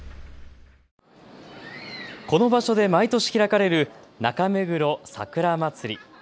この場所で毎年開かれる中目黒桜まつり。